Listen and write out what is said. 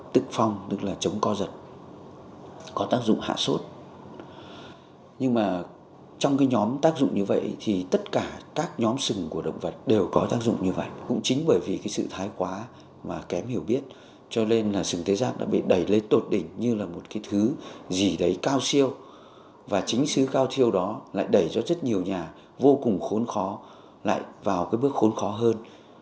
tức phong tức là chống co giật có tác dụng hạ sốt nhưng mà trong cái nhóm tác dụng như vậy thì tất cả các nhóm sừng của động vật đều có tác dụng như vậy cũng chính bởi vì cái sự thái quá mà kém hiểu biết cho nên là sừng tế giác đã bị đẩy lên tột đỉnh như là một cái thứ gì đấy cao siêu và chính sứ cao siêu đó lại đẩy cho rất nhiều nhà vô cùng khốn khó lại vào cái bước khốn khó hơn